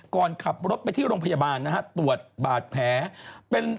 ก่อนขับรถไปที่โรงพยาบาลนะฮะตรวจบาดแผลเป็น